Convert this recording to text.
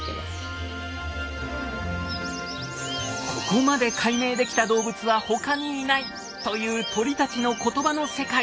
ここまで解明できた動物は他にいないという鳥たちの言葉の世界。